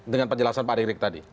dengan penjelasan pak arik rik tadi